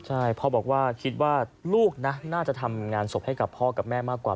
ใช่พ่อบอกว่าคิดว่าลูกนะน่าจะทำงานศพให้กับพ่อกับแม่มากกว่า